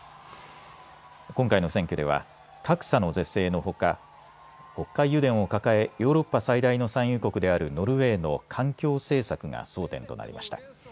今回の選挙では格差の是正のほか、北海油田を抱えヨーロッパ最大の産油国であるノルウェーの環境政策が争点となりました。